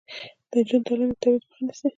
د نجونو تعلیم د تبعیض مخه نیسي.